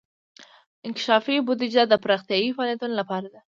انکشافي بودیجه د پراختیايي فعالیتونو لپاره ده.